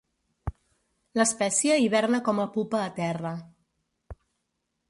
L'espècie hiberna com a pupa a terra.